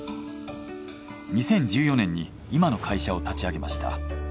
２０１４年に今の会社を立ち上げました。